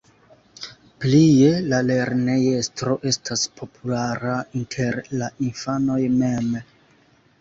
Plie, la lernejestro estas populara inter la infanoj mem.